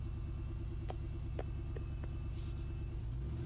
kutokana na virusi vya uviko kumi na tisa au Corona